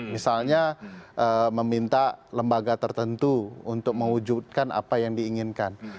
misalnya meminta lembaga tertentu untuk mewujudkan apa yang diinginkan